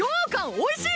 おいしい！